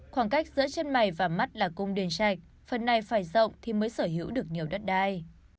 khoảng cách giữa chân mày và mắt là cung đình sạch phần này phải rộng thì mới sở hữu được nhiều đất đai